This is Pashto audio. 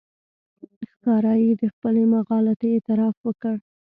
ښکاره یې د خپلې مغالطې اعتراف وکړ.